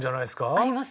あります？